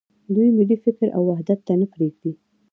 دوی ملي فکر او وحدت ته نه پرېږدي.